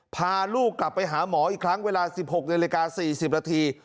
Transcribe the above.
พาลูกกลับไปหาหมออีกครั้งเวลา๑๖นาฬิกา๔๐นาที